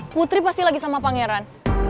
putri pasti lagi sama pangeran